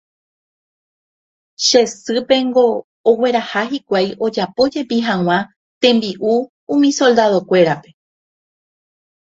che sýpengo ogueraha hikuái ojapo jepi hag̃ua tembi’u umi soldado-kuérape